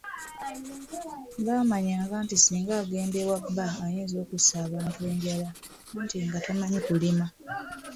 Baamanyanga nti singa agenda ewa bba ayinza okussa abantu enjala, anti nga tamanyi kulima.